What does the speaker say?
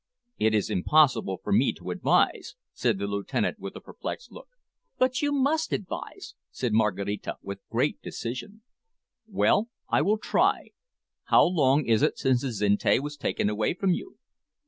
"It is impossible for me to advise," said the lieutenant with a perplexed look. "But you must advise," said Maraquita, with great decision. "Well, I will try. How long is it since Azinte was taken away from you?"